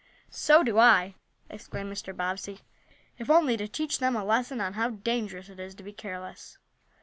"So do I!" exclaimed Mr. Bobbsey. "If only to teach them a lesson on how dangerous it is to be careless.